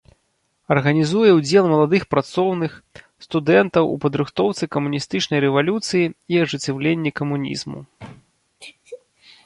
Арганізуе ўдзел маладых працоўных, студэнтаў у падрыхтоўцы камуністычнай рэвалюцыі і ажыццяўленні камунізму.